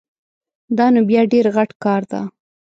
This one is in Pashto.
دا نو بیا ډېر غټ کار ده